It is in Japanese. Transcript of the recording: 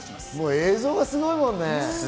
映像すごいもんね。